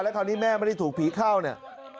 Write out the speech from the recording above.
คราวนี้แม่ไม่ได้ถูกผีเข้าเนี่ย